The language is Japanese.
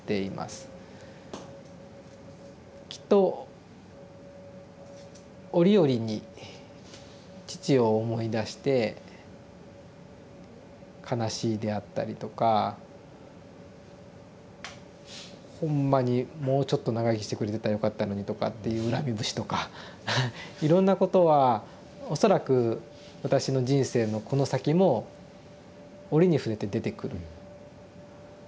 きっと折々に父を思い出して「悲しい」であったりとか「ほんまにもうちょっと長生きしてくれてたらよかったのに」とかっていう恨み節とかいろんなことは恐らく私の人生のこの先も折に触れて出てくる。